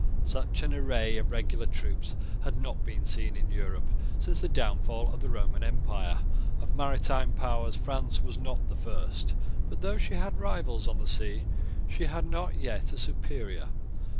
Such an array of regular troops had not been seen in Europe since the downfall of the Roman empire. Of maritime powers France was not the first. But, though she had rivals on the sea, she had not yet a superior.